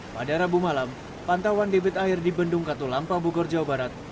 pada rabu malam pantauan debit air di bendung katulampa bogor jawa barat